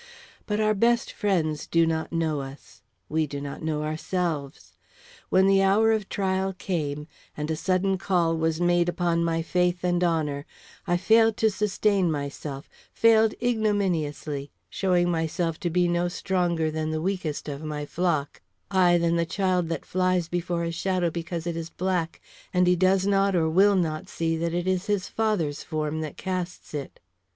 But our best friends do not know us; we do not know ourselves. When the hour of trial came, and a sudden call was made upon my faith and honor, I failed to sustain myself, failed ignominiously, showing myself to be no stronger than the weakest of my flock ay, than the child that flies before a shadow because it is black, and he does not or will not see that it is his father's form that casts it.